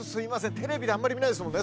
テレビであんまり見ないですもんね